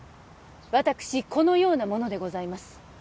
私このような者でございます